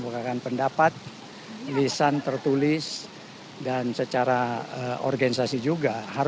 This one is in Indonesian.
saya tidak paham